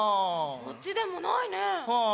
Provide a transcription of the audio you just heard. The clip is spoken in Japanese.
こっちでもないね。